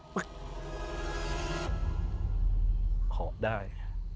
เหาะได้